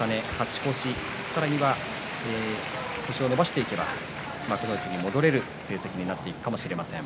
勝ち越しさらに星を伸ばしていけば幕内に戻れる成績になるかもしれません。